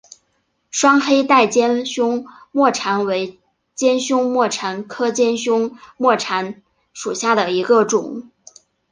双黑带尖胸沫蝉为尖胸沫蝉科尖胸沫蝉属下的一个种。